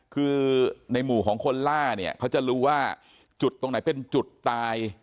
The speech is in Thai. คือในหมู่ของคนล่าเนี่ยเขาจะรู้ว่าจุดตรงไหนเป็นจุดตาย